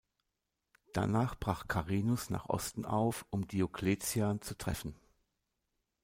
Danach brach Carinus nach Osten auf, um Diokletian zu treffen.